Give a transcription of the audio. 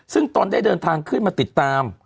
ซึ่งตนได้เดินทางขึ้นมาติดตาม